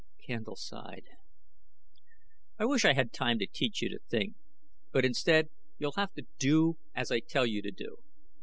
Candle sighed. "I wish I had time to teach you to think, but instead, you'll have to do as I tell you to do.